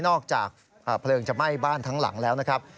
จากเพลิงจะไหม้บ้านทั้งหลังแล้วนะครับ